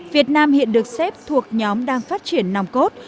việt nam hiện được xếp thuộc nhóm đang phát triển nòng cốt